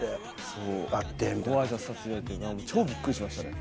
超びっくりしましたね。